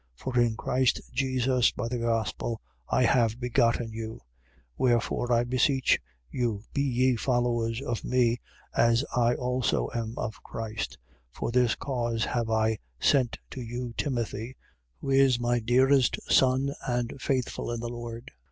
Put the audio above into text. For in Christ Jesus, by the gospel, I have begotten you. 4:16. Wherefore, I beseech you, be ye followers of me as I also am of Christ. 4:17. For this cause have I sent to you Timothy, who is my dearest son and faithful in the Lord.